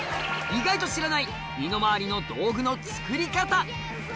意外と知らない身の回りの道具の作り方。